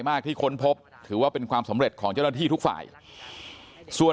มากที่ค้นพบถือว่าเป็นความสำเร็จของเจ้าหน้าที่ทุกฝ่ายส่วน